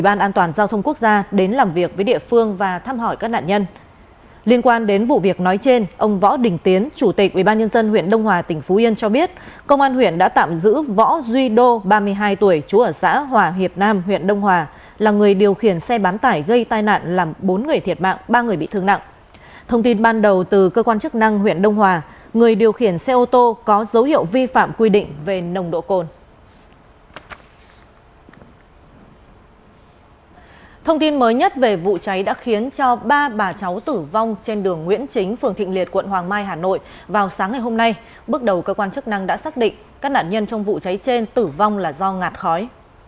bước đầu cơ quan chức năng đã xác định các nạn nhân trong vụ cháy trên tử vong là do ngạt khói